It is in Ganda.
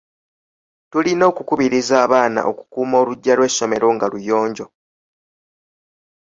Tulina okukubiriza abaana okukuuma oluggya lw'essomero nga luyonjo.